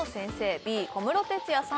Ｂ小室哲哉さん